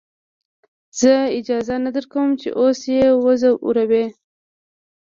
زه اجازه نه درکم چې اوس يې وځورې.